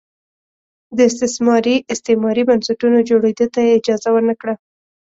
د استثماري استعماري بنسټونو جوړېدو ته یې اجازه ور نه کړه.